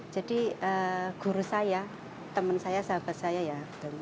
jadi guru saya teman saya sahabat saya ya